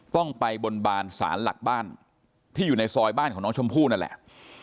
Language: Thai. ต้องไปบนบานสารหลักบ้านที่อยู่ในซอยบ้านของน้องชมพู่นั่นแหละ